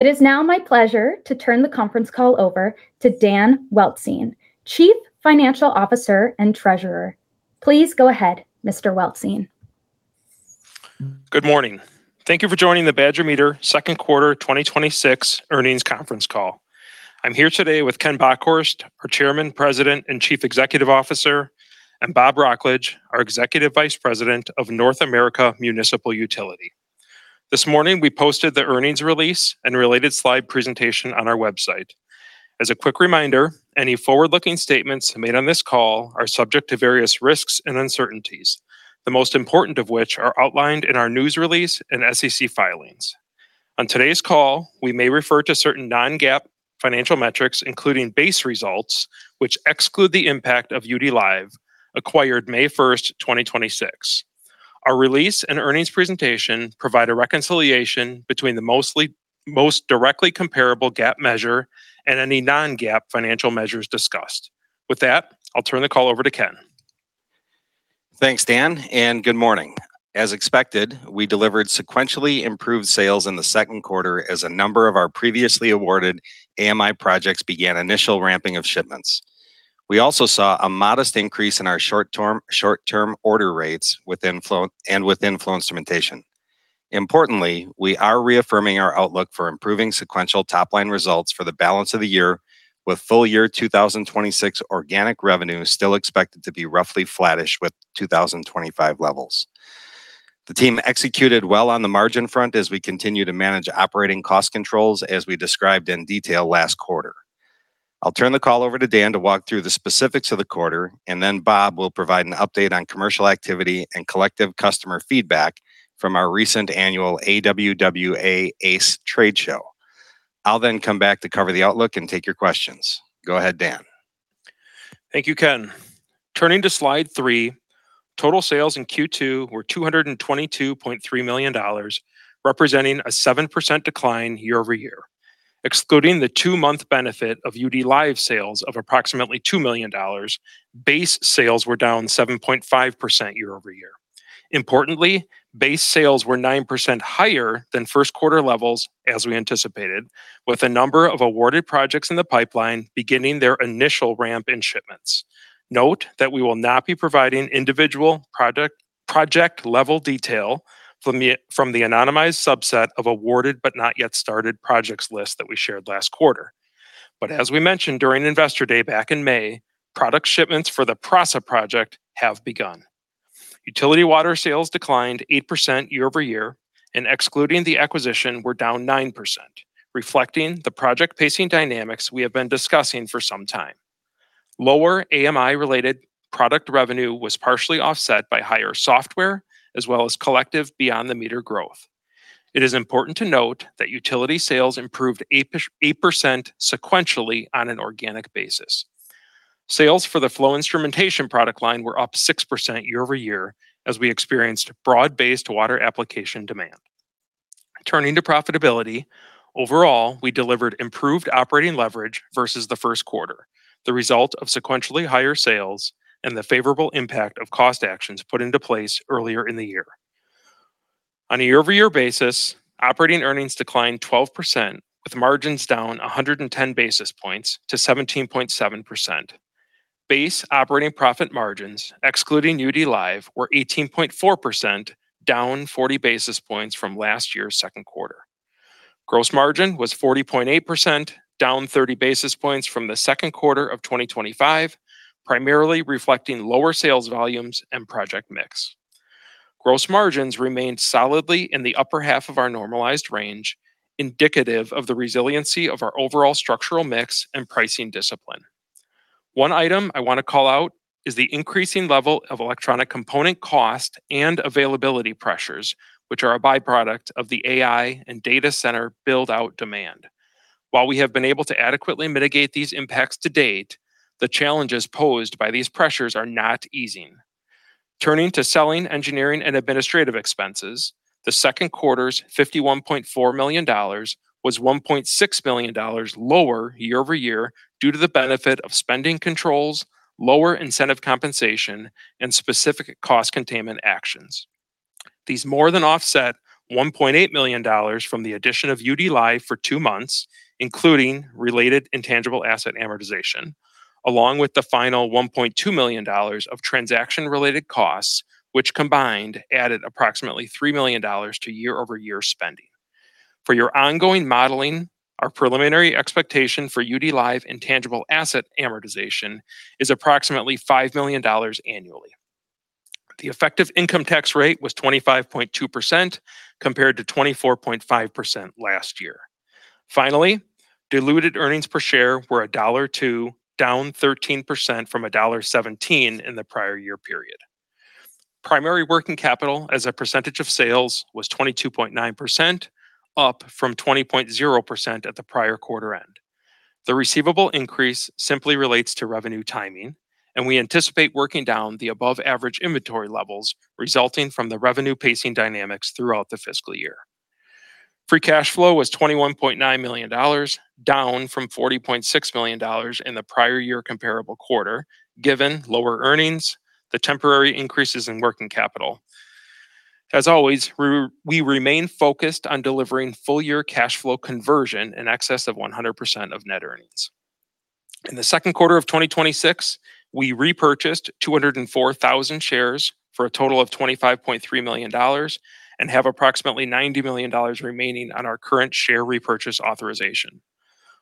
It is now my pleasure to turn the conference call over to Dan Weltzien, Chief Financial Officer and Treasurer. Please go ahead, Mr. Weltzien. Good morning. Thank you for joining the Badger Meter Second Quarter 2026 Earnings Conference Call. I'm here today with Ken Bockhorst, our Chairman, President, and Chief Executive Officer, and Bob Wrocklage, our Executive Vice President of North America Municipal Utility. This morning, we posted the earnings release and related slide presentation on our website. As a quick reminder, any forward-looking statements made on this call are subject to various risks and uncertainties, the most important of which are outlined in our news release and SEC filings. On today's call, we may refer to certain non-GAAP financial metrics, including base results, which exclude the impact of UDlive, acquired May 1st, 2026. Our release and earnings presentation provide a reconciliation between the most directly comparable GAAP measure and any non-GAAP financial measures discussed. With that, I'll turn the call over to Ken. Thanks, Dan. Good morning. As expected, we delivered sequentially improved sales in the second quarter as a number of our previously awarded AMI projects began initial ramping of shipments. We also saw a modest increase in our short-term order rates and within flow instrumentation. Importantly, we are reaffirming our outlook for improving sequential top-line results for the balance of the year, with full year 2026 organic revenue still expected to be roughly flattish with 2025 levels. The team executed well on the margin front as we continue to manage operating cost controls as we described in detail last quarter. I'll turn the call over to Dan to walk through the specifics of the quarter. Bob will provide an update on commercial activity and collective customer feedback from our recent annual AWWA ACE trade show. I'll come back to cover the outlook and take your questions. Go ahead, Dan. Thank you, Ken. Turning to slide three, total sales in Q2 were $222.3 million, representing a 7% decline year-over-year. Excluding the two-month benefit of UDlive sales of approximately $2 million, base sales were down 7.5% year-over-year. Importantly, base sales were 9% higher than first quarter levels, as we anticipated, with a number of awarded projects in the pipeline beginning their initial ramp in shipments. Note that we will not be providing individual project-level detail from the anonymized subset of awarded but not yet started projects list that we shared last quarter. As we mentioned during Investor Day back in May, product shipments for the PRASA project have begun. Utility water sales declined 8% year-over-year, and excluding the acquisition, were down 9%, reflecting the project pacing dynamics we have been discussing for some time. Lower AMI-related product revenue was partially offset by higher software, as well as collective beyond the meter growth. It is important to note that utility sales improved 8% sequentially on an organic basis. Sales for the flow instrumentation product line were up 6% year-over-year, as we experienced broad-based water application demand. Turning to profitability, overall, we delivered improved operating leverage versus the first quarter, the result of sequentially higher sales and the favorable impact of cost actions put into place earlier in the year. On a year-over-year basis, operating earnings declined 12%, with margins down 110 basis points to 17.7%. Base operating profit margins, excluding UDlive, were 18.4%, down 40 basis points from last year's second quarter. Gross margin was 40.8%, down 30 basis points from the second quarter of 2025, primarily reflecting lower sales volumes and project mix. Gross margins remained solidly in the upper half of our normalized range, indicative of the resiliency of our overall structural mix and pricing discipline. One item I want to call out is the increasing level of electronic component cost and availability pressures, which are a byproduct of the AI and data center build-out demand. While we have been able to adequately mitigate these impacts to date, the challenges posed by these pressures are not easing. Turning to selling, engineering, and administrative expenses, the second quarter's $51.4 million was $1.6 million lower year-over-year due to the benefit of spending controls, lower incentive compensation, and specific cost containment actions. These more than offset $1.8 million from the addition of UDlive for two months, including related intangible asset amortization, along with the final $1.2 million of transaction-related costs, which combined added approximately $3 million to year-over-year spending. For your ongoing modeling, our preliminary expectation for UDlive intangible asset amortization is approximately $5 million annually. The effective income tax rate was 25.2%, compared to 24.5% last year. Finally, diluted earnings per share were $1.02, down 13% from $1.17 in the prior year period. Primary working capital as a percentage of sales was 22.9%, up from 20.0% at the prior quarter end. The receivable increase simply relates to revenue timing, and we anticipate working down the above-average inventory levels resulting from the revenue pacing dynamics throughout the fiscal year. Free cash flow was $21.9 million, down from $40.6 million in the prior year comparable quarter, given lower earnings, the temporary increases in working capital. As always, we remain focused on delivering full-year cash flow conversion in excess of 100% of net earnings. In the second quarter of 2026, we repurchased 204,000 shares for a total of $25.3 million and have approximately $90 million remaining on our current share repurchase authorization.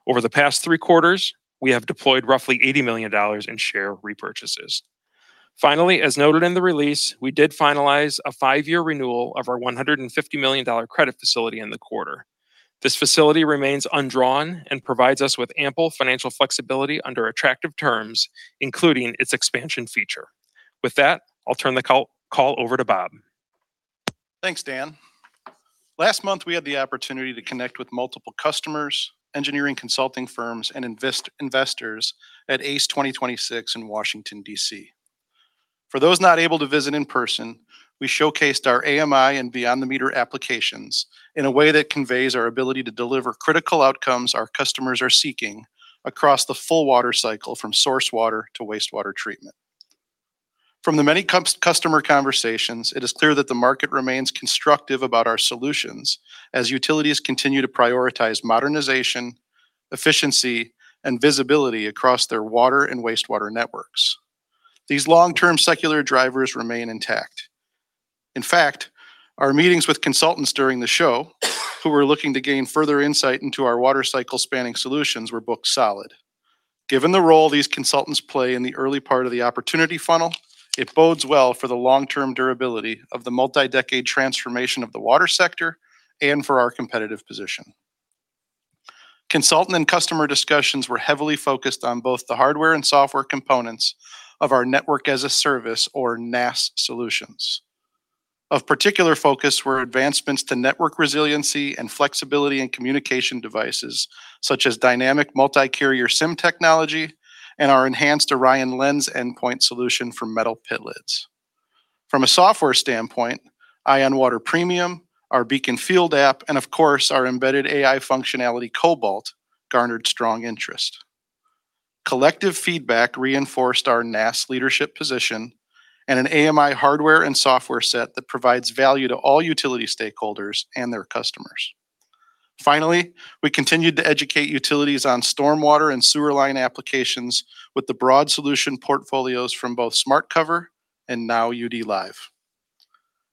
Over the past three quarters, we have deployed roughly $80 million in share repurchases. Finally, as noted in the release, we did finalize a five-year renewal of our $150 million credit facility in the quarter. This facility remains undrawn and provides us with ample financial flexibility under attractive terms, including its expansion feature. With that, I'll turn the call over to Bob. Thanks, Dan. Last month, we had the opportunity to connect with multiple customers, engineering consulting firms, and investors at ACE 2026 in Washington, D.C. For those not able to visit in person, we showcased our AMI and beyond-the-meter applications in a way that conveys our ability to deliver critical outcomes our customers are seeking across the full water cycle, from source water to wastewater treatment. From the many customer conversations, it is clear that the market remains constructive about our solutions as utilities continue to prioritize modernization, efficiency, and visibility across their water and wastewater networks. These long-term secular drivers remain intact. In fact, our meetings with consultants during the show who were looking to gain further insight into our water cycle spanning solutions were booked solid. Given the role these consultants play in the early part of the opportunity funnel, it bodes well for the long-term durability of the multi-decade transformation of the water sector and for our competitive position. Consultant and customer discussions were heavily focused on both the hardware and software components of our Network as a Service or NaaS solutions. Of particular focus were advancements to network resiliency and flexibility in communication devices such as dynamic multi-carrier SIM technology and our enhanced ORION Lens endpoint solution for metal pit lids. From a software standpoint, EyeOnWater Premium, our BEACON Field app, and of course our embedded AI functionality, Cobalt, garnered strong interest. Collective feedback reinforced our NaaS leadership position and an AMI hardware and software set that provides value to all utility stakeholders and their customers. Finally, we continued to educate utilities on stormwater and sewer line applications with the broad solution portfolios from both SmartCover and now UDlive.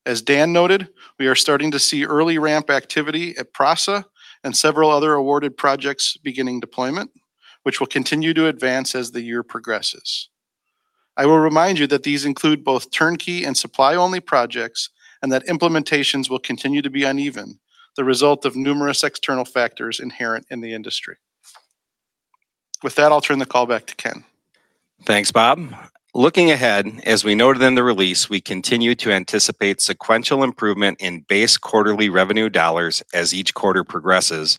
As Dan noted, we are starting to see early ramp activity at PRASA and several other awarded projects beginning deployment, which will continue to advance as the year progresses. I will remind you that these include both turnkey and supply-only projects, and that implementations will continue to be uneven, the result of numerous external factors inherent in the industry. With that, I'll turn the call back to Ken. Thanks, Bob. Looking ahead, as we noted in the release, we continue to anticipate sequential improvement in base quarterly revenue dollars as each quarter progresses,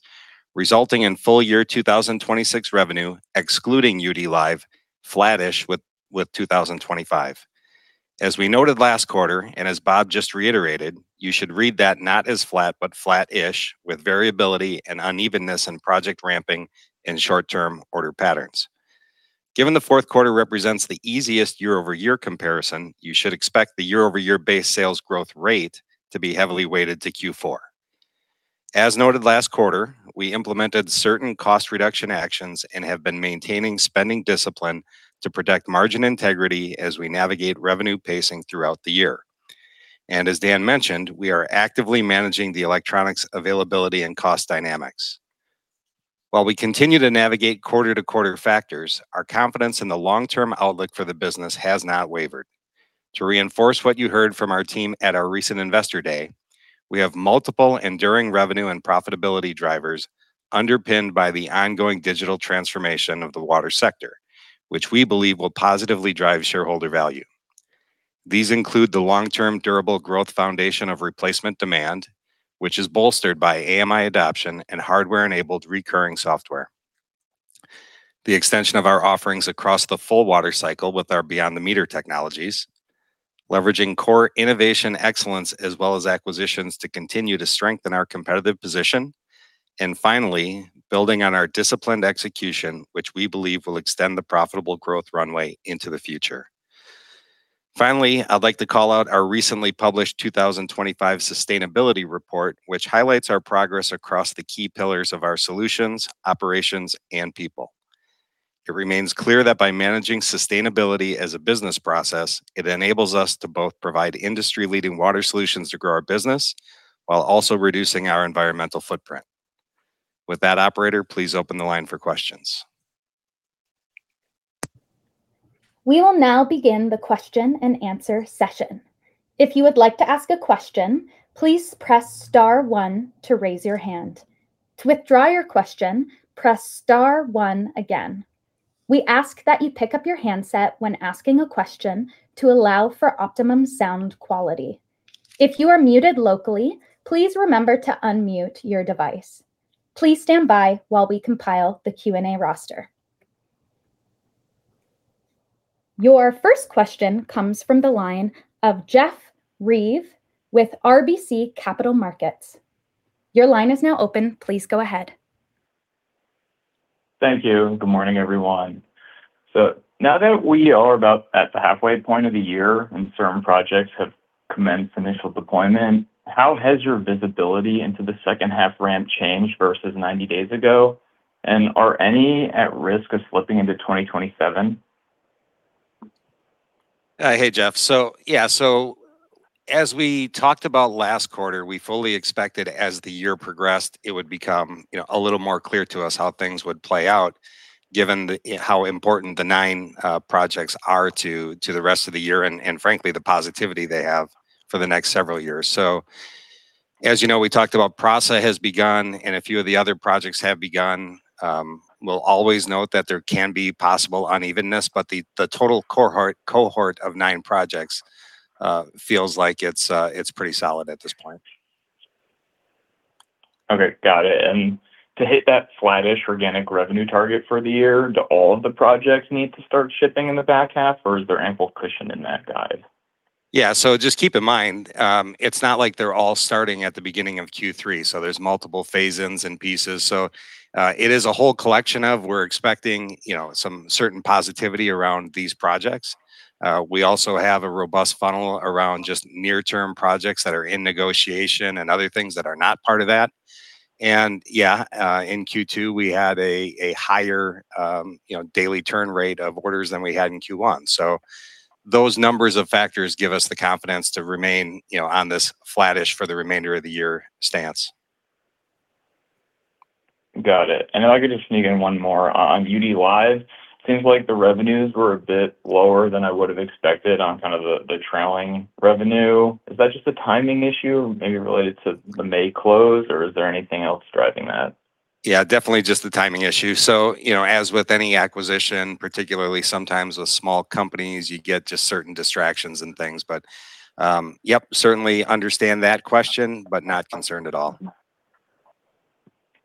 resulting in full year 2026 revenue, excluding UDlive, flat-ish with 2025. As we noted last quarter, and as Bob just reiterated, you should read that not as flat but flat-ish, with variability and unevenness in project ramping and short-term order patterns. Given the fourth quarter represents the easiest year-over-year comparison, you should expect the year-over-year base sales growth rate to be heavily weighted to Q4. As noted last quarter, we implemented certain cost reduction actions and have been maintaining spending discipline to protect margin integrity as we navigate revenue pacing throughout the year. As Dan mentioned, we are actively managing the electronics availability and cost dynamics. While we continue to navigate quarter-to-quarter factors, our confidence in the long-term outlook for the business has not wavered. To reinforce what you heard from our team at our recent Investor Day, we have multiple enduring revenue and profitability drivers underpinned by the ongoing digital transformation of the water sector, which we believe will positively drive shareholder value. These include the long-term durable growth foundation of replacement demand, which is bolstered by AMI adoption and hardware-enabled recurring software. The extension of our offerings across the full water cycle with our beyond-the-meter technologies. Leveraging core innovation excellence as well as acquisitions to continue to strengthen our competitive position. Finally, building on our disciplined execution, which we believe will extend the profitable growth runway into the future. Finally, I'd like to call out our recently published 2025 sustainability report, which highlights our progress across the key pillars of our solutions, operations, and people. It remains clear that by managing sustainability as a business process, it enables us to both provide industry-leading water solutions to grow our business while also reducing our environmental footprint. With that, Operator, please open the line for questions. We will now begin the question and answer session. If you would like to ask a question, please press star one to raise your hand. To withdraw your question, press star one again. We ask that you pick up your handset when asking a question to allow for optimum sound quality. If you are muted locally, please remember to unmute your device. Please stand by while we compile the Q&A roster. Your first question comes from the line of Jeff Reive with RBC Capital Markets. Your line is now open. Please go ahead. Thank you. Good morning, everyone. Now that we are about at the halfway point of the year and certain projects have commenced initial deployment, how has your visibility into the second half ramp change versus 90 days ago? Are any at risk of slipping into 2027? Hey, Jeff. As we talked about last quarter, we fully expected as the year progressed, it would become a little more clear to us how things would play out, given how important the nine projects are to the rest of the year, and frankly, the positivity they have for the next several years. As you know, we talked about PRASA has begun, and a few of the other projects have begun. We'll always note that there can be possible unevenness, the total cohort of nine projects feels like it's pretty solid at this point. Okay. Got it. To hit that flattish organic revenue target for the year, do all of the projects need to start shipping in the back half, is there ample cushion in that guide? Yeah. Just keep in mind, it's not like they're all starting at the beginning of Q3, there's multiple phase-ins and pieces. It is a whole collection of we're expecting some certain positivity around these projects. We also have a robust funnel around just near-term projects that are in negotiation and other things that are not part of that. Yeah, in Q2 we had a higher daily turn rate of orders than we had in Q1. Those numbers of factors give us the confidence to remain on this flattish for the remainder of the year stance. Got it. I could just sneak in one more on UDlive. Seems like the revenues were a bit lower than I would have expected on the trailing revenue. Is that just a timing issue, maybe related to the May close, or is there anything else driving that? Yeah, definitely just the timing issue. As with any acquisition, particularly sometimes with small companies, you get just certain distractions and things. Yep, certainly understand that question, but not concerned at all.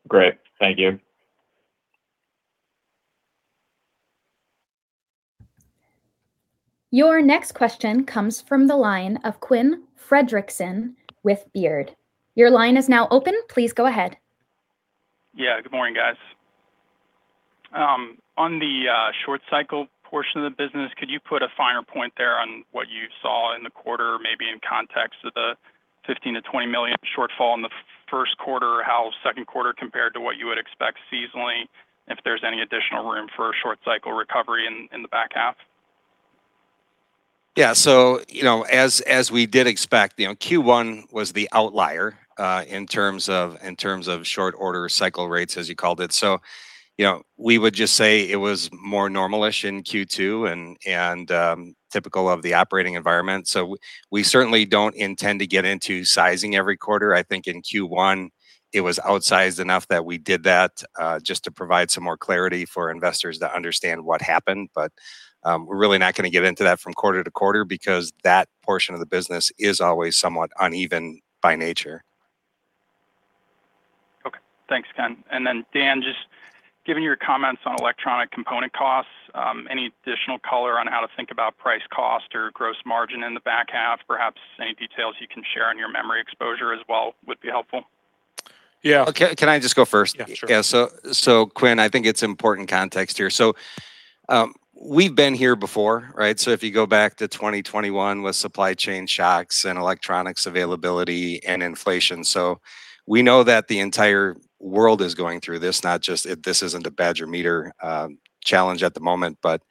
Great. Thank you. Your next question comes from the line of Quinn Fredrickson with Baird. Your line is now open. Please go ahead. Good morning, guys. On the short cycle portion of the business, could you put a finer point there on what you saw in the quarter, maybe in context of the $15 million-$20 million shortfall in the first quarter, how second quarter compared to what you would expect seasonally, and if there is any additional room for a short cycle recovery in the back half? Yeah. As we did expect, Q1 was the outlier in terms of short order cycle rates, as you called it. We would just say it was more normal-ish in Q2 and typical of the operating environment. We certainly don't intend to get into sizing every quarter. I think in Q1 it was outsized enough that we did that, just to provide some more clarity for investors to understand what happened. We're really not going to get into that from quarter-to-quarter because that portion of the business is always somewhat uneven by nature. Okay. Thanks, Ken. Dan, just given your comments on electronic component costs, any additional color on how to think about price cost or gross margin in the back half? Perhaps any details you can share on your memory exposure as well would be helpful. Yeah. Can I just go first? Yeah, sure. Yeah. Quinn, I think it's important context here. We've been here before, right? If you go back to 2021 with supply chain shocks and electronics availability and inflation. We know that the entire world is going through this isn't a Badger Meter challenge at the moment, but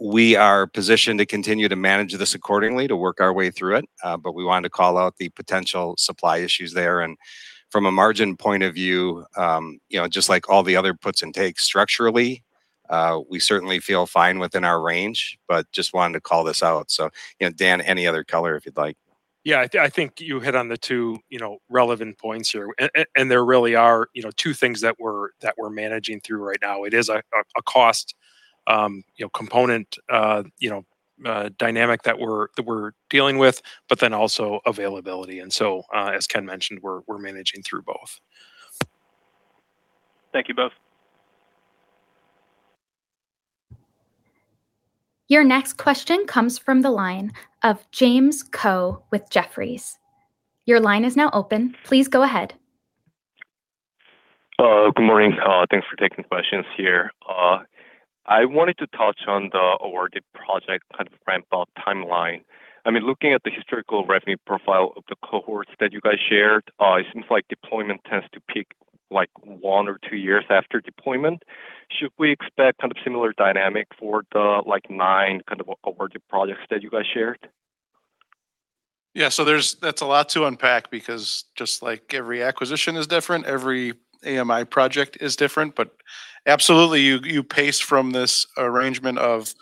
we are positioned to continue to manage this accordingly, to work our way through it. We wanted to call out the potential supply issues there. From a margin point of view, just like all the other puts and takes structurally, we certainly feel fine within our range, just wanted to call this out. Dan, any other color if you'd like. Yeah, I think you hit on the two relevant points here, there really are two things that we're managing through right now. It is a cost component dynamic that we're dealing with, also availability. As Ken mentioned, we're managing through both. Thank you both. Your next question comes from the line of James Ko with Jefferies. Your line is now open. Please go ahead. Good morning. Thanks for taking questions here. I wanted to touch on the awarded project ramp-up timeline. Looking at the historical revenue profile of the cohorts that you guys shared, it seems like deployment tends to peak like one or two years after deployment. Should we expect kind of similar dynamic for the nine kind of awarded projects that you guys shared? Yeah, that's a lot to unpack because just like every acquisition is different, every AMI project is different. Absolutely, you pace from this arrangement of,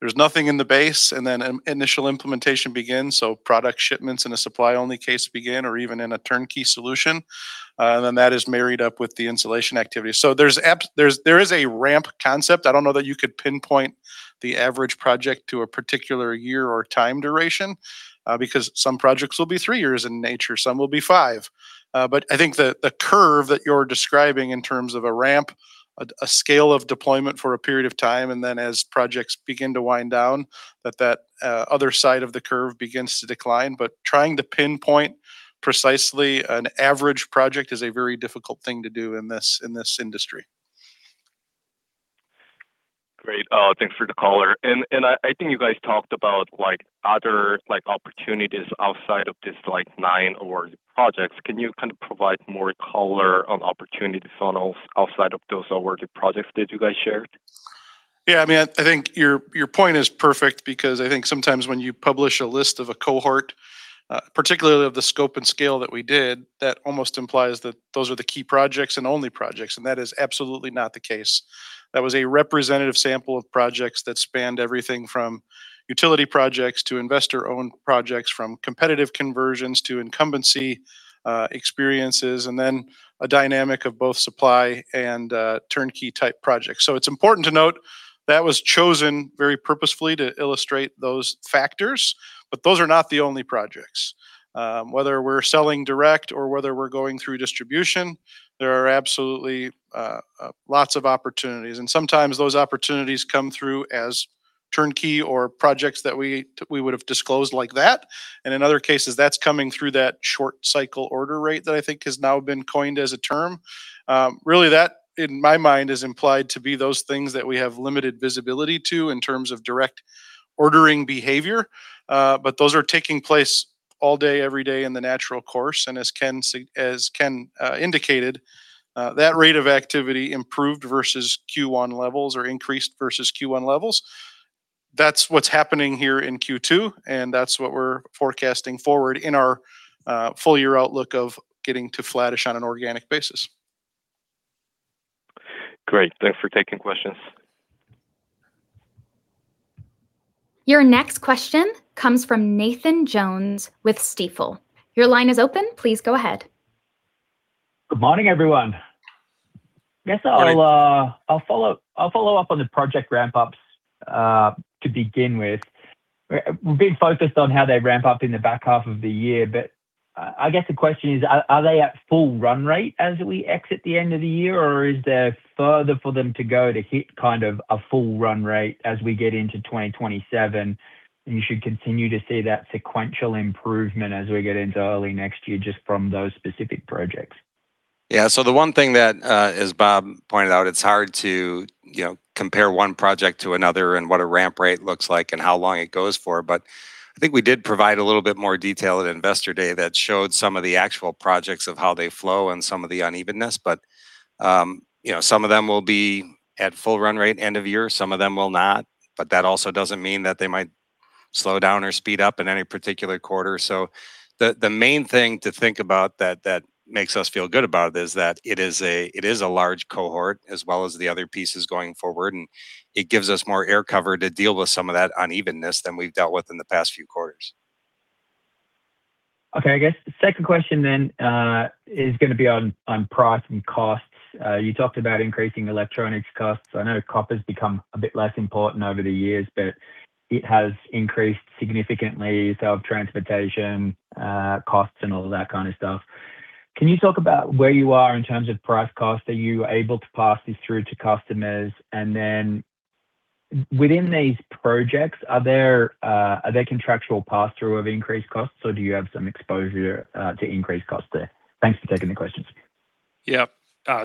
there's nothing in the base, and then initial implementation begins. Product shipments in a supply-only case begin or even in a turnkey solution. That is married up with the installation activity. There is a ramp concept. I don't know that you could pinpoint the average project to a particular year or time duration, because some projects will be three years in nature, some will be five. I think the curve that you're describing in terms of a ramp, a scale of deployment for a period of time, and then as projects begin to wind down, that that other side of the curve begins to decline. Trying to pinpoint precisely an average project is a very difficult thing to do in this industry. Great. Thanks for the color. I think you guys talked about other opportunities outside of just nine award projects. Can you provide more color on opportunities funnels outside of those awarded projects that you guys shared? I think your point is perfect because I think sometimes when you publish a list of a cohort, particularly of the scope and scale that we did, that almost implies that those are the key projects and only projects. That is absolutely not the case. That was a representative sample of projects that spanned everything from utility projects to investor-owned projects, from competitive conversions to incumbency experiences, and then a dynamic of both supply and turnkey-type projects. It's important to note, that was chosen very purposefully to illustrate those factors, but those are not the only projects. Whether we're selling direct or whether we're going through distribution, there are absolutely lots of opportunities, and sometimes those opportunities come through as turnkey or projects that we would've disclosed like that. In other cases, that's coming through that short cycle order rate that I think has now been coined as a term. Really that, in my mind, is implied to be those things that we have limited visibility to in terms of direct ordering behavior. Those are taking place all day, every day in the natural course, and as Ken indicated, that rate of activity improved versus Q1 levels or increased versus Q1 levels. That's what's happening here in Q2, and that's what we're forecasting forward in our full-year outlook of getting to flattish on an organic basis. Great. Thanks for taking questions. Your next question comes from Nathan Jones with Stifel. Your line is open. Please go ahead. Good morning, everyone. Good morning. I guess I'll follow up on the project ramp-ups to begin with. We've been focused on how they ramp up in the back half of the year, I guess the question is, are they at full run rate as we exit the end of the year, or is there further for them to go to hit a full run rate as we get into 2027, and you should continue to see that sequential improvement as we get into early next year just from those specific projects? Yeah. The one thing that, as Bob pointed out, it's hard to compare one project to another and what a ramp rate looks like and how long it goes for. I think we did provide a little bit more detail at Investor Day that showed some of the actual projects of how they flow and some of the unevenness. Some of them will be at full run rate end of year, some of them will not, but that also doesn't mean that they might slow down or speed up in any particular quarter. The main thing to think about that makes us feel good about it is that it is a large cohort as well as the other pieces going forward, and it gives us more air cover to deal with some of that unevenness than we've dealt with in the past few quarters. Okay. I guess the second question is going to be on price and costs. You talked about increasing electronics costs. I know copper's become a bit less important over the years, but it has increased significantly, so have transportation costs and all of that kind of stuff. Can you talk about where you are in terms of price cost? Are you able to pass this through to customers? Within these projects, are there contractual pass-through of increased costs, or do you have some exposure to increased costs there? Thanks for taking the questions. Yep.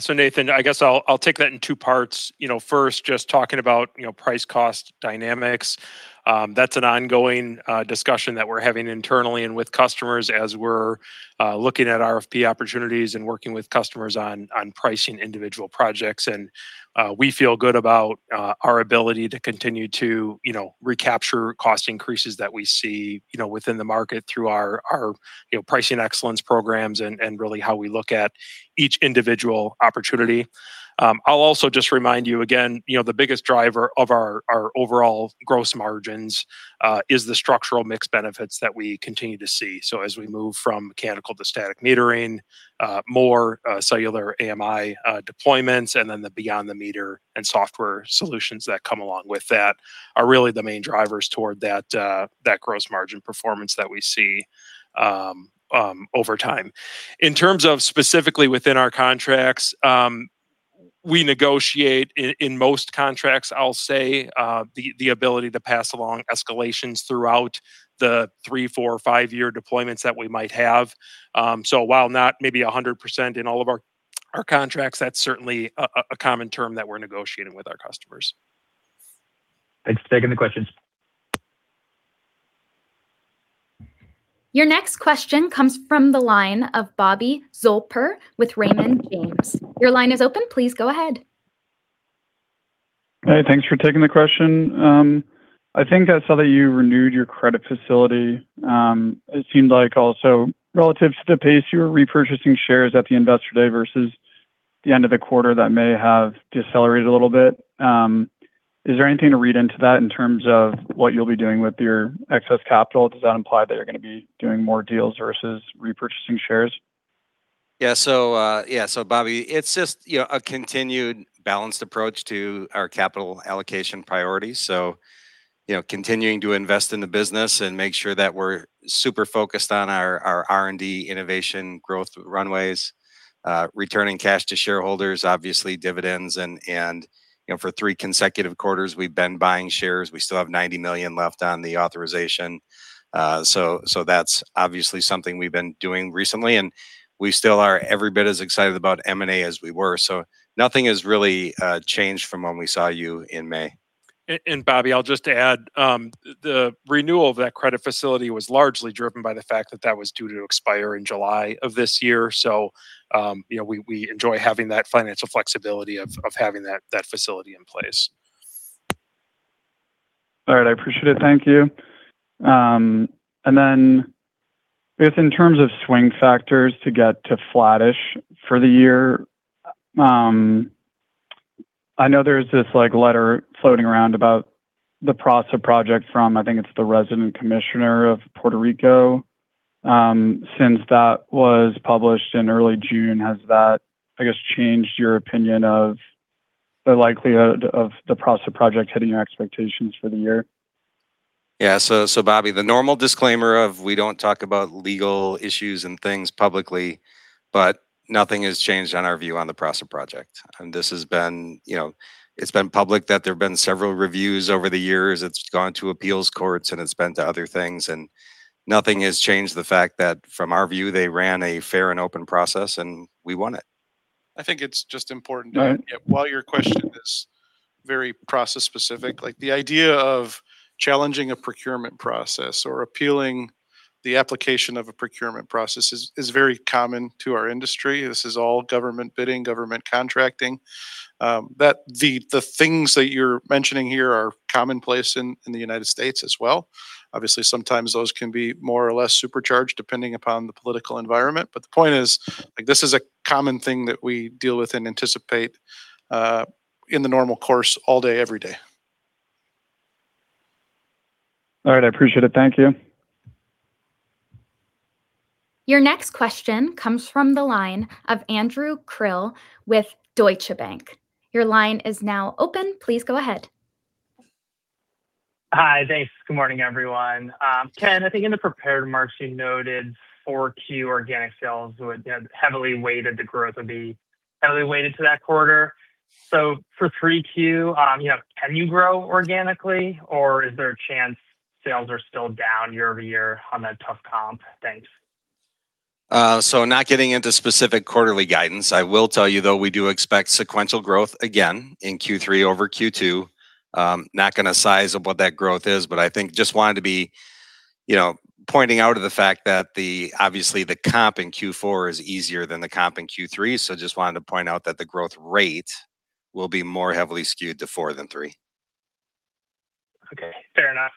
Nathan, I guess I'll take that in two parts. First, just talking about price cost dynamics, that's an ongoing discussion that we're having internally and with customers as we're looking at RFP opportunities and working with customers on pricing individual projects. We feel good about our ability to continue to recapture cost increases that we see within the market through our pricing excellence programs and really how we look at each individual opportunity. I'll also just remind you again, the biggest driver of our overall gross margins is the structural mix benefits that we continue to see. As we move from mechanical to static metering, more cellular AMI deployments, and then the beyond the meter and software solutions that come along with that, are really the main drivers toward that gross margin performance that we see over time. In terms of specifically within our contracts, we negotiate in most contracts, I'll say, the ability to pass along escalations throughout the three, four, five-year deployments that we might have. While not maybe 100% in all of our contracts, that's certainly a common term that we're negotiating with our customers. Thanks for taking the questions. Your next question comes from the line of Bobby Zolper with Raymond James. Your line is open. Please go ahead. Hey, thanks for taking the question. I think I saw that you renewed your credit facility. It seemed like also relative to the pace you were repurchasing shares at the Investor Day versus the end of the quarter, that may have decelerated a little bit. Is there anything to read into that in terms of what you'll be doing with your excess capital? Does that imply that you're going to be doing more deals versus repurchasing shares? Bobby, it's just a continued balanced approach to our capital allocation priorities. Continuing to invest in the business and make sure that we're super focused on our R&D innovation growth runways, returning cash to shareholders, obviously dividends, and for three consecutive quarters, we've been buying shares. We still have $90 million left on the authorization. That's obviously something we've been doing recently, and we still are every bit as excited about M&A as we were. Nothing has really changed from when we saw you in May. Bobby, I'll just add, the renewal of that credit facility was largely driven by the fact that that was due to expire in July of this year. We enjoy having that financial flexibility of having that facility in place. All right. I appreciate it. Thank you. Just in terms of swing factors to get to flattish for the year, I know there's this letter floating around about the PRASA project from, I think it's the Resident Commissioner of Puerto Rico. Since that was published in early June, has that, I guess, changed your opinion of the likelihood of the PRASA project hitting your expectations for the year? Yeah. Bobby, the normal disclaimer of we don't talk about legal issues and things publicly, but nothing has changed on our view on the PRASA project. It's been public that there have been several reviews over the years. It's gone to appeals courts, and it's been to other things, and nothing has changed the fact that from our view, they ran a fair and open process, and we won it. I think it's just important to add, while your question is very process specific, the idea of challenging a procurement process or appealing the application of a procurement process is very common to our industry. This is all government bidding, government contracting. The things that you're mentioning here are commonplace in the United States as well. Obviously, sometimes those can be more or less supercharged depending upon the political environment. The point is, this is a common thing that we deal with and anticipate in the normal course, all day, every day. All right. I appreciate it. Thank you. Your next question comes from the line of Andrew Krill with Deutsche Bank. Your line is now open. Please go ahead. Hi. Thanks. Good morning, everyone. Ken, I think in the prepared remarks, you noted 4Q organic sales, the growth would be heavily weighted to that quarter. For 3Q, can you grow organically, or is there a chance sales are still down year-over-year on that tough comp? Thanks. Not getting into specific quarterly guidance. I will tell you though, we do expect sequential growth again in Q3 over Q2. Not going to size up what that growth is, but I think just wanted to be pointing out the fact that obviously the comp in Q4 is easier than the comp in Q3. Just wanted to point out that the growth rate will be more heavily skewed to four than three. Okay. Fair enough.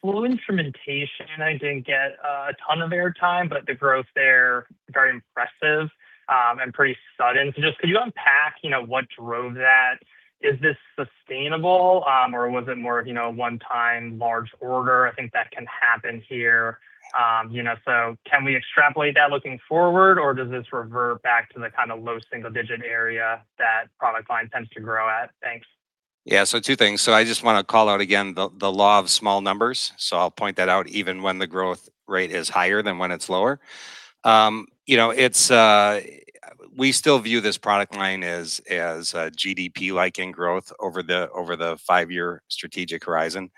Flow instrumentation, I didn't get a ton of air time, but the growth there, very impressive, and pretty sudden. Could you unpack what drove that? Is this sustainable, or was it more one time large order? I think that can happen here. Can we extrapolate that looking forward, or does this revert back to the low single digit area that product line tends to grow at? Thanks. Yeah. Two things. I just want to call out again the law of small numbers. I'll point that out even when the growth rate is higher than when it's lower. We still view this product line as GDP-like in growth over the five-year strategic horizon.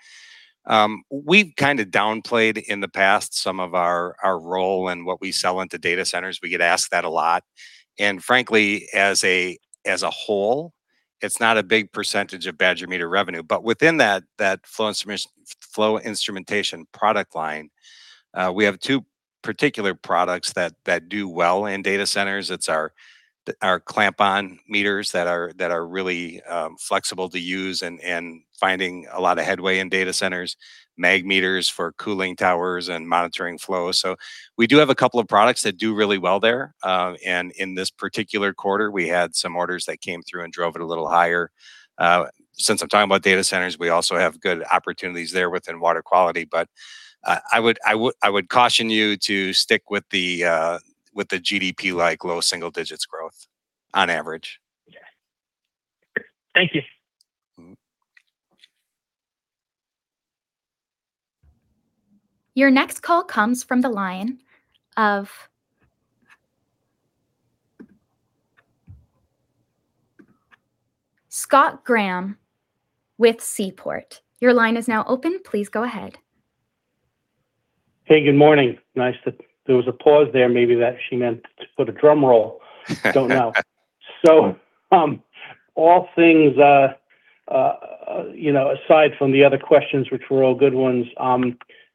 We've kind of downplayed in the past some of our role in what we sell into data centers. We get asked that a lot. Frankly, as a whole, it's not a big percentage of Badger Meter revenue. Within that flow instrumentation product line, we have two particular products that do well in data centers. It's our clamp-on meters that are really flexible to use and finding a lot of headway in data centers, mag meters for cooling towers and monitoring flow. We do have a couple of products that do really well there. In this particular quarter, we had some orders that came through and drove it a little higher. Since I'm talking about data centers, we also have good opportunities there within water quality. I would caution you to stick with the GDP-like low single digits growth on average. Yeah. Thank you. Your next call comes from the line of Scott Graham with Seaport. Your line is now open. Please go ahead. Hey, good morning. Nice that there was a pause there, maybe that she meant to put a drum roll. Don't know. All things aside from the other questions, which were all good ones,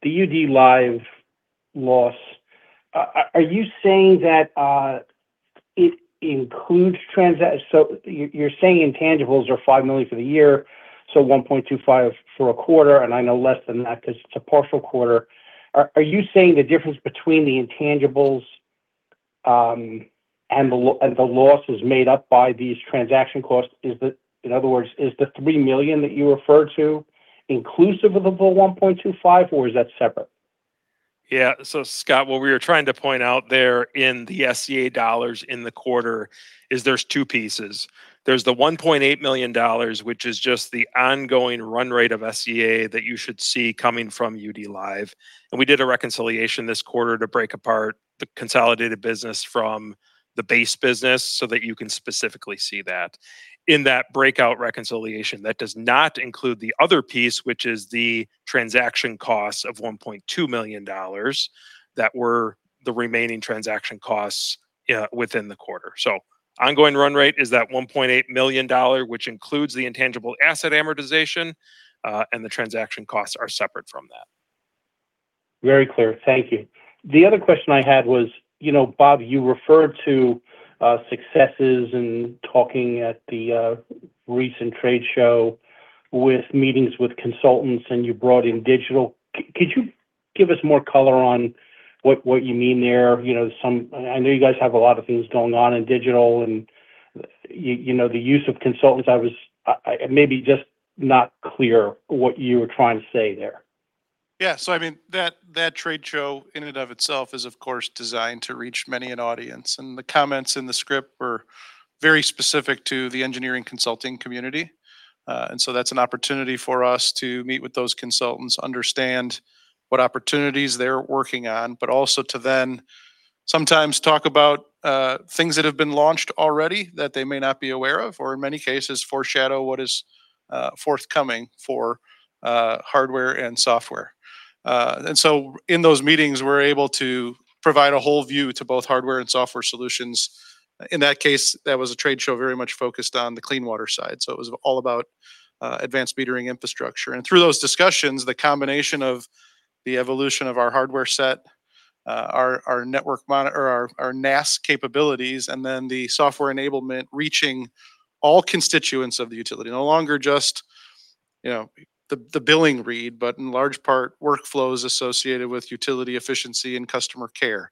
the UDlive loss, are you saying that it includes so you're saying intangibles are $5 million for the year, so $1.25 million for a quarter, and I know less than that because it's a partial quarter. Are you saying the difference between the intangibles, and the loss is made up by these transaction costs? In other words, is the $3 million that you referred to inclusive of the $1.25 million, or is that separate? Yeah. Scott, what we were trying to point out there in the SCA dollars in the quarter is there's two pieces. There's the $1.8 million, which is just the ongoing run rate of SCA that you should see coming from UDlive. We did a reconciliation this quarter to break apart the consolidated business from the base business so that you can specifically see that. In that breakout reconciliation, that does not include the other piece, which is the transaction costs of $1.2 million that were the remaining transaction costs within the quarter. Ongoing run rate is that $1.8 million, which includes the intangible asset amortization, and the transaction costs are separate from that. Very clear. Thank you. The other question I had was, Bob, you referred to successes in talking at the recent trade show with meetings with consultants. You brought in digital. Could you give us more color on what you mean there? I know you guys have a lot of things going on in digital, and the use of consultants, I was maybe just not clear what you were trying to say there. Yeah. That trade show in and of itself is, of course, designed to reach many an audience, and the comments in the script were very specific to the engineering consulting community. That's an opportunity for us to meet with those consultants, understand what opportunities they're working on, but also to then sometimes talk about things that have been launched already that they may not be aware of, or in many cases foreshadow what is forthcoming for hardware and software. In those meetings, we're able to provide a whole view to both hardware and software solutions. In that case, that was a trade show very much focused on the clean water side, so it was all about Advanced Metering Infrastructure. Through those discussions, the combination of the evolution of our hardware set, our NaaS capabilities, and then the software enablement reaching all constituents of the utility. No longer just the billing read, but in large part, workflows associated with utility efficiency and customer care,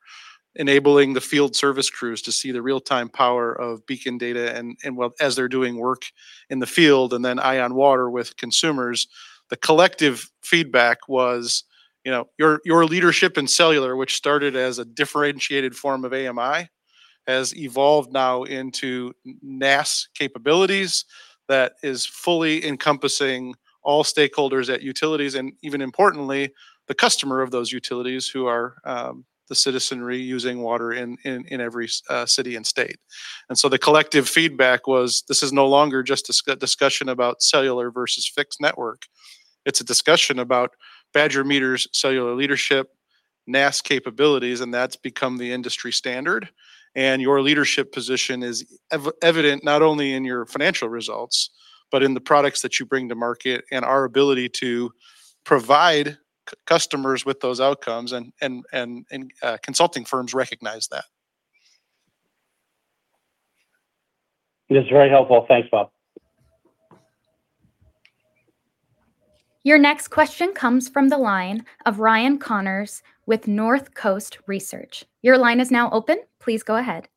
enabling the field service crews to see the real-time power of BEACON data and as they're doing work in the field, and then EyeOnWater with consumers. The collective feedback was, your leadership in cellular, which started as a differentiated form of AMI, has evolved now into NaaS capabilities that is fully encompassing all stakeholders at utilities, and even importantly, the customer of those utilities who are the citizenry using water in every city and state. The collective feedback was, this is no longer just a discussion about cellular versus fixed network. It's a discussion about Badger Meter's cellular leadership, NaaS capabilities, and that's become the industry standard. Your leadership position is evident not only in your financial results, but in the products that you bring to market and our ability to provide customers with those outcomes, and consulting firms recognize that. It is very helpful. Thanks, Bob. Your next question comes from the line of Ryan Connors with Northcoast Research. Your line is now open. Please go ahead.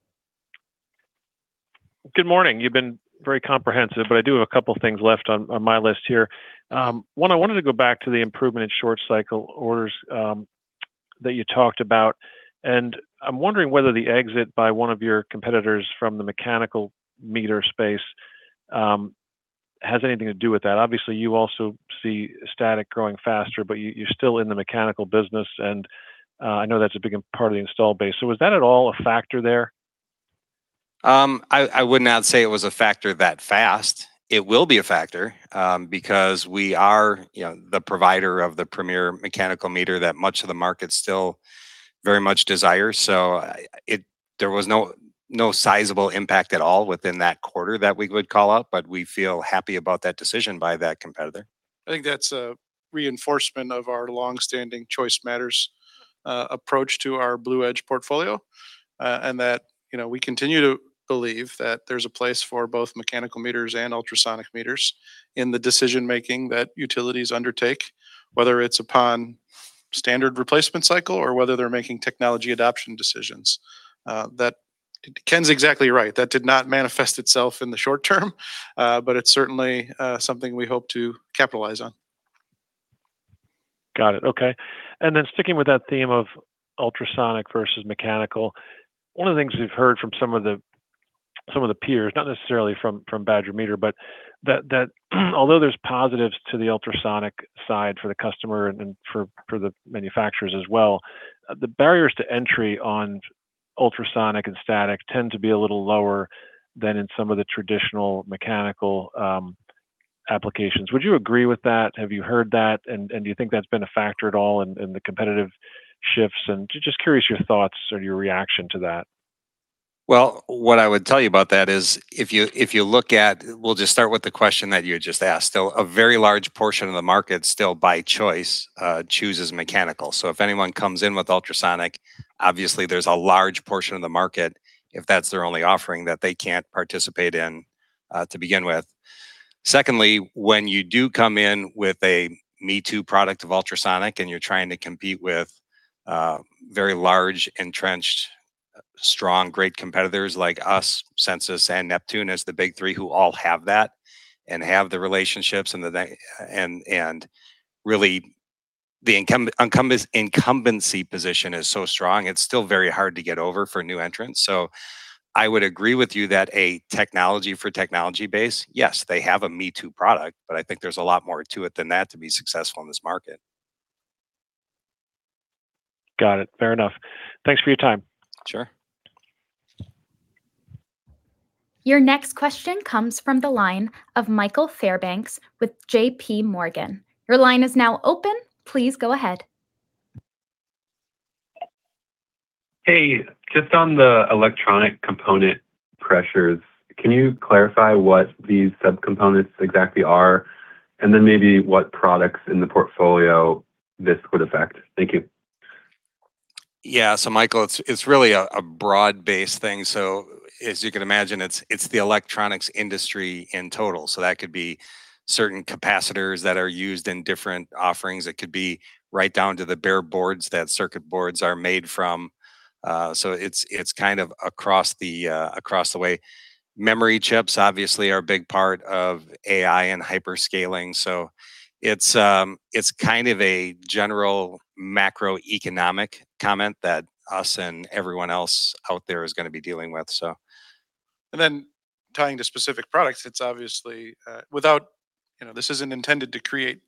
Good morning. You've been very comprehensive, but I do have a couple of things left on my list here. One, I wanted to go back to the improvement in short cycle orders that you talked about, and I'm wondering whether the exit by one of your competitors from the mechanical meter space has anything to do with that. Obviously, you also see static growing faster, but you're still in the mechanical business, and I know that's a big part of the install base. Was that at all a factor there? I would not say it was a factor that fast. It will be a factor, because we are the provider of the premier mechanical meter that much of the market still very much desires. There was no sizable impact at all within that quarter that we would call out, but we feel happy about that decision by that competitor. I think that's a reinforcement of our longstanding "choice matters" approach to our BlueEdge portfolio. We continue to believe that there's a place for both mechanical meters and ultrasonic meters in the decision-making that utilities undertake, whether it's upon standard replacement cycle or whether they're making technology adoption decisions. Ken's exactly right. That did not manifest itself in the short term, it's certainly something we hope to capitalize on. Got it. Okay. Sticking with that theme of ultrasonic versus mechanical, one of the things we've heard from some of the peers, not necessarily from Badger Meter, but that although there's positives to the ultrasonic side for the customer and for the manufacturers as well, the barriers to entry on ultrasonic and static tend to be a little lower than in some of the traditional mechanical applications. Would you agree with that? Have you heard that? Do you think that's been a factor at all in the competitive shifts and just curious your thoughts or your reaction to that? Well, what I would tell you about that is if you look at, we'll just start with the question that you just asked. A very large portion of the market still by choice, chooses mechanical. If anyone comes in with ultrasonic, obviously there's a large portion of the market, if that's their only offering, that they can't participate in to begin with. Secondly, when you do come in with a me-too product of ultrasonic and you're trying to compete with very large, entrenched, strong, great competitors like us, Sensus, and Neptune as the big three who all have that and have the relationships and really the incumbency position is so strong, it's still very hard to get over for new entrants. I would agree with you that a technology for technology base, yes, they have a me-too product, but I think there's a lot more to it than that to be successful in this market. Got it. Fair enough. Thanks for your time. Sure. Your next question comes from the line of Michael Fairbanks with JPMorgan. Your line is now open. Please go ahead. Hey, just on the electronic component pressures, can you clarify what these sub-components exactly are? Then maybe what products in the portfolio this would affect? Thank you. Yeah. Michael, it's really a broad-based thing. As you can imagine, it's the electronics industry in total. That could be certain capacitors that are used in different offerings. It could be right down to the bare boards that circuit boards are made from. It's kind of across the way. Memory chips obviously are a big part of AI and hyperscaling. It's kind of a general macroeconomic comment that us and everyone else out there is going to be dealing with, so. Then tying to specific products, this isn't intended to create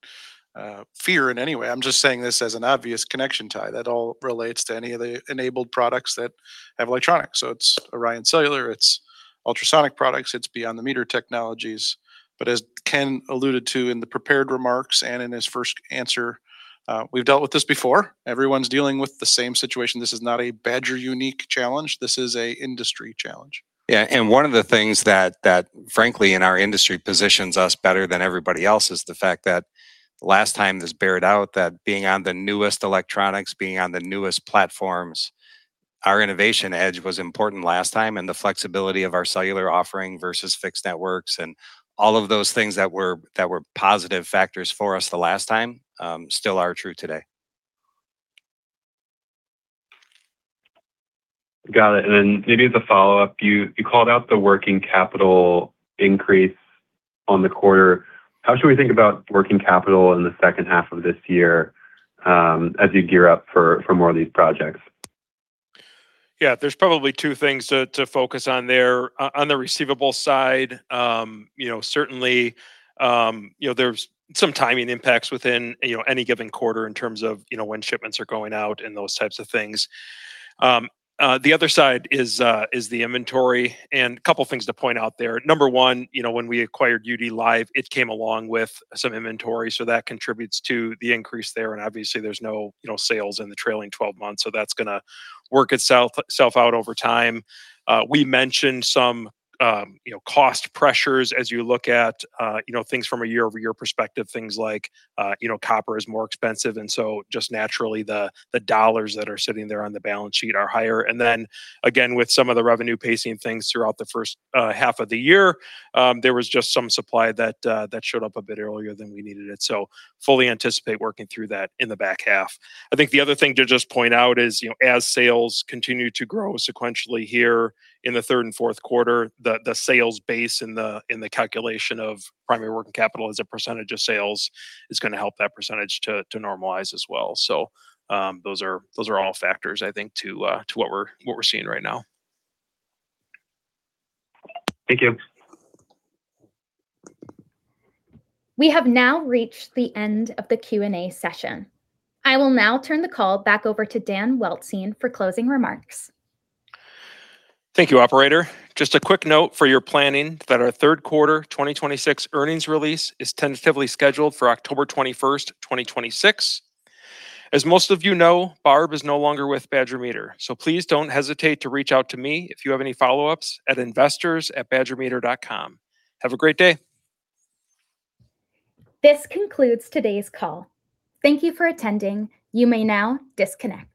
fear in any way. I'm just saying this as an obvious connection tie, that all relates to any of the enabled products that have electronics. It's ORION Cellular, it's ultrasonic products, it's beyond-the-meter technologies. As Ken alluded to in the prepared remarks and in his first answer, we've dealt with this before. Everyone's dealing with the same situation. This is not a Badger-unique challenge. This is a industry challenge. Yeah. One of the things that frankly in our industry positions us better than everybody else is the fact that last time this beared out, that being on the newest electronics, being on the newest platforms, our innovation edge was important last time, and the flexibility of our cellular offering versus fixed networks and all of those things that were positive factors for us the last time still are true today. Got it. Maybe as a follow-up, you called out the working capital increase on the quarter. How should we think about working capital in the second half of this year as you gear up for more of these projects? Yeah. There's probably two things to focus on there. On the receivable side, certainly there's some timing impacts within any given quarter in terms of when shipments are going out and those types of things. The other side is the inventory. A couple of things to point out there. Number one, when we acquired UDlive, it came along with some inventory, so that contributes to the increase there. Obviously there's no sales in the trailing 12 months, so that's going to work itself out over time. We mentioned some cost pressures as you look at things from a year-over-year perspective, things like copper is more expensive, so just naturally the dollars that are sitting there on the balance sheet are higher. Again, with some of the revenue pacing things throughout the first half of the year, there was just some supply that showed up a bit earlier than we needed it. Fully anticipate working through that in the back half. I think the other thing to just point out is as sales continue to grow sequentially here in the third and fourth quarter, the sales base in the calculation of primary working capital as a percentage of sales is going to help that percentage to normalize as well. Those are all factors, I think, to what we're seeing right now. Thank you. We have now reached the end of the Q&A session. I will now turn the call back over to Dan Weltzien for closing remarks. Thank you, Operator. Just a quick note for your planning that our third quarter 2026 earnings release is tentatively scheduled for October 21st, 2026. As most of you know, Barb is no longer with Badger Meter, so please don't hesitate to reach out to me if you have any follow-ups at investors@badgermeter.com. Have a great day. This concludes today's call. Thank you for attending. You may now disconnect.